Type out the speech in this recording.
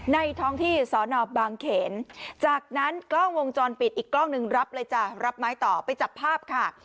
ท้องที่สอนอบางเขนจากนั้นกล้องวงจรปิดอีกกล้องหนึ่งรับเลยจ้ะรับไม้ต่อไปจับภาพค่ะ